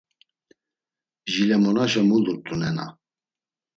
Jilemonaşa mulurt̆u nena.